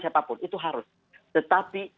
siapapun itu harus tetapi